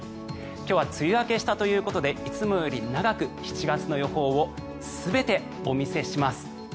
今日は梅雨明けしたということでいつもより長く７月の予報を全てお見せします。